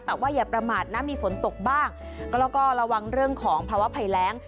แต่ว่าอย่าประมาทนะมีฝนตกบ้างแล้วก็ระวังเรื่องของภาวะภัยแรง